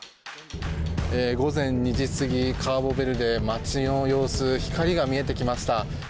午前２時すぎカーボベルデ街の様子、光が見えてきました。